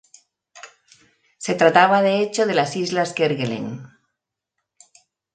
Se trataba, de hecho, de las islas Kerguelen.